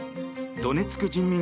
ドネツク人民